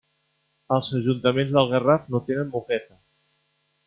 Els ajuntaments del Garraf no tenen moqueta.